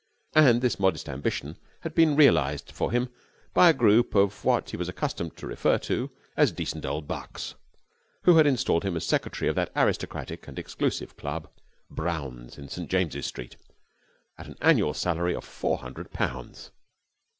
And this modest ambition had been realized for him by a group of what he was accustomed to refer to as decent old bucks, who had installed him as secretary of that aristocratic and exclusive club, Brown's in St James Street, at an annual salary of four hundred pounds.